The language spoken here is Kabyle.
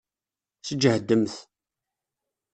Sǧehdemt!